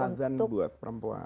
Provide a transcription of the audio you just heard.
azan buat perempuan